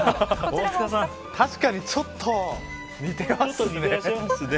確かに、ちょっと似てますね。